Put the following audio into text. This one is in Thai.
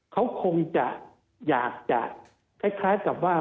เขาคงจะอยากจะคล้ายกับว่า